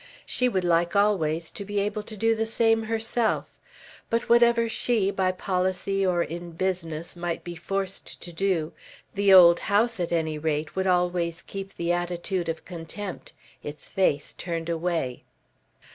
She would like always to be able to do the same herself; but whatever she, by policy or in business, might be forced to do, the old house, at any rate, would always keep the attitude of contempt, its face turned away.